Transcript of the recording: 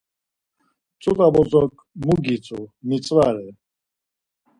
ç̌ut̆a bozok mu gitzu mitzvare.